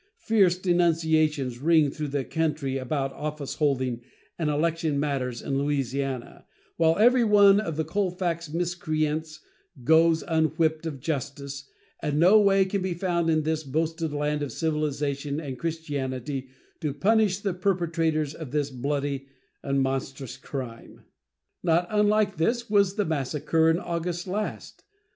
Fierce denunciations ring through the country about office holding and election matters in Louisiana, while every one of the Colfax miscreants goes unwhipped of justice, and no way can be found in this boasted land of civilization and Christianity to punish the perpetrators of this bloody and monstrous crime. Not unlike this was the massacre in August last.